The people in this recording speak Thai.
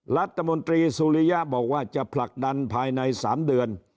รัฐมนตรีสุริยะบอกว่าจะผลักดันภายใน๓เดือน